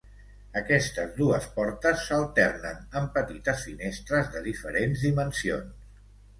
Aquestes dues portes s'alternen amb petites finestres de diferents dimensions.